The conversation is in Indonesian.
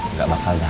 nggak bakal datang